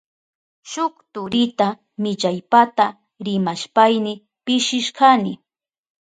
Shuk turita millaypata rimashpayni pishishkani.